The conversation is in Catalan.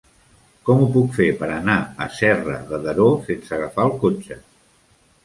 Com ho puc fer per anar a Serra de Daró sense agafar el cotxe?